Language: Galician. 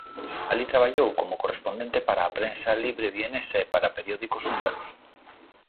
Alí traballou como correspondente para a prensa libre vienesa e para periódicos húngaros.